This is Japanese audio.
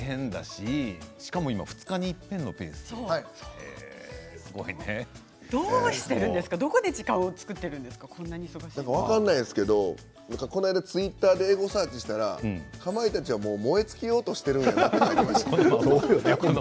どうしているんですかどこで時間を作っているんですか分からないですけどこの間ツイッターでエゴサーチしたらかまいたちはもう燃え尽きようとしているんだ、と。